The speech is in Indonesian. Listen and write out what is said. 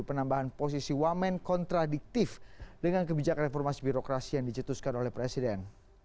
penambahan posisi wamen kontradiktif dengan kebijakan reformasi birokrasi yang dicetuskan oleh presiden